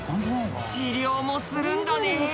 治療もするんだね。